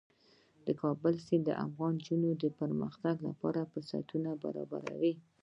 د کابل سیند د افغان نجونو د پرمختګ لپاره فرصتونه برابروي.